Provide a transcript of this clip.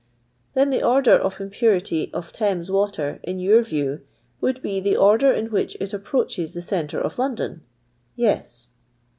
]" Then the order of impurity of Thames water, in your view, would be the order in which it ap proaches the centre of London 1" " Yes."